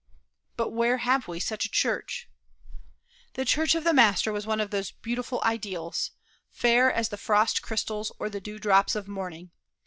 But where have we such a church? The church of the Master was one of those beautiful ideals, fair as the frost crystals or the dew drops of morning.